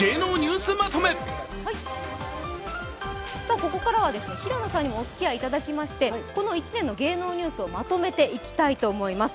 ここからは平野さんにもおつきあいいただきまして、この１年の芸能ニュースをまとめていきたいと思います。